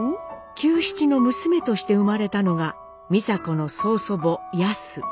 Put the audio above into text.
久七の娘として生まれたのが美佐子の曽祖母ヤス。